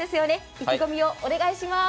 意気込みをお願いします。